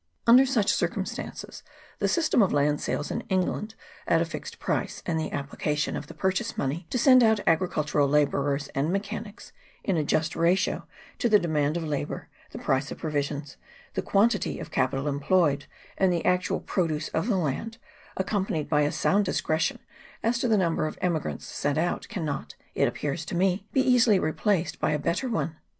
Under such circumstances the system of land sales in England at a fixed price, and the application of the purchase money to send out agricultural labourers and mechanics, in a just ratio to the demand of labour, the price of provisions, the quantity of capital employed, and the actual pro duce of the land, accompanied by a sound discretion as to the number of emigrants sent out, cannot, it appears to me, be easily replaced by a better one.